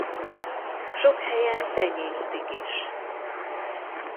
Sok helyen tenyésztik is.